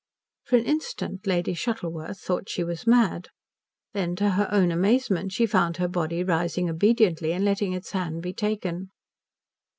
For an instant Lady Shuttleworth thought she was mad. Then to her own amazement she found her body rising obediently and letting its hand be taken.